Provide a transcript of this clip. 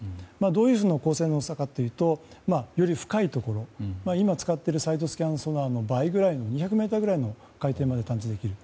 どういう高性能さかというとより深いところ今使っているサイドスキャンソナーの倍ぐらいの２００ｍの海底まで探知できる。